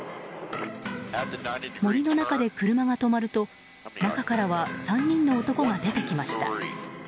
森の中で車が止まると、中からは３人の男が出てきました。